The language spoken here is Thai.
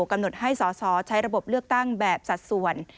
กำหนดให้สอสอใช้ระบบเลือกตั้งแบบสัดส่วน